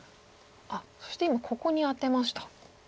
そして今ここにアテました。